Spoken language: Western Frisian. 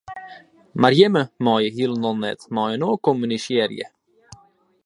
Mar jimme meie hielendal net mei-inoar kommunisearje.